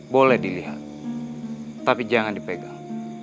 boleh dilihat tapi jangan dipegang